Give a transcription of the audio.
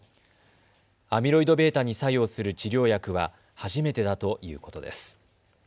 アミロイドβに作用する治療薬は初めてだということです。